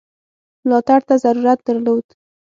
ملاتړ ته ضرورت درلود.